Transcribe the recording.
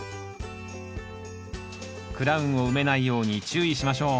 クラウンを埋めないように注意しましょう